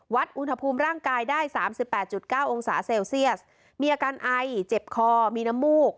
วัดอุณหภูมิร่างกายได้สามสิบแปดจุดเก้าองศาเซลเซียสมีอาการไอเจ็บคอมีนมูก